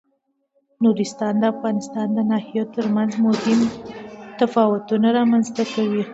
نورستان د افغانستان د ناحیو ترمنځ مهم تفاوتونه رامنځ ته کوي.